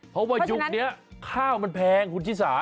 เพราะว่ายุคนี้ข้าวมันแพงคุณชิสา